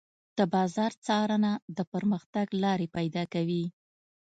د بازار څارنه د پرمختګ لارې پيدا کوي.